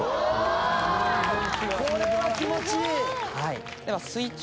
これは気持ちいい！